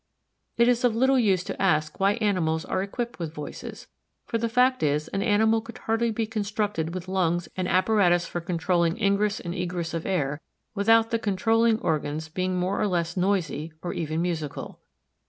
It is of little use to ask why animals are equipped with voices, for the fact is an animal could hardly be constructed with lungs and apparatus for controlling ingress and egress of air without the controlling organ's being more or less noisy or even musical.